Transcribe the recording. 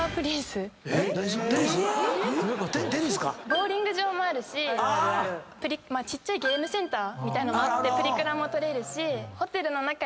ボウリング場もあるしちっちゃいゲームセンターみたいのもあってプリクラも撮れるしホテルの中にカラオケも付いてて。